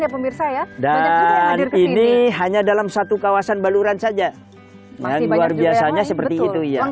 pemirsa ya dan ini hanya dalam satu kawasan baluran saja luar biasanya seperti itu iya